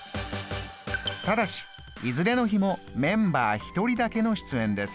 ただしいずれの日もメンバー１人だけの出演です。